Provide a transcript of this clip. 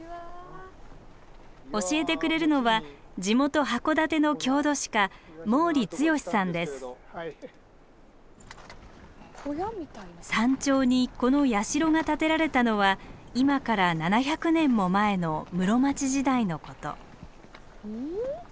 教えてくれるのは地元函館の山頂にこの社が建てられたのは今から７００年も前の室町時代のこと。